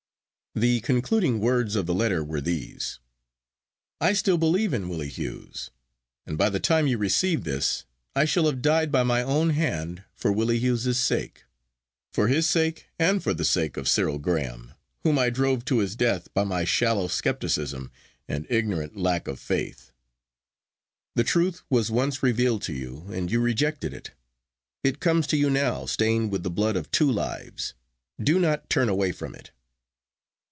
The concluding words of the letter were these: 'I still believe in Willie Hughes; and by the time you receive this, I shall have died by my own hand for Willie Hughes's sake: for his sake, and for the sake of Cyril Graham, whom I drove to his death by my shallow scepticism and ignorant lack of faith. The truth was once revealed to you, and you rejected it. It comes to you now stained with the blood of two lives,—do not turn away from it.